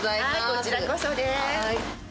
こちらこそです。